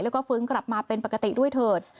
แล้วก็ฟื้นกลับมาเป็นปกติด้วยเถิด